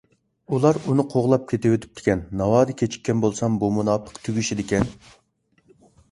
ئۇلار ئۇنى قوغلاپ كېتىۋېتىپتىكەن. ناۋادا كېچىككەن بولسام بۇ مۇناپىق تۈگىشىدىكەن.